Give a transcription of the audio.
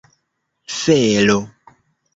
felo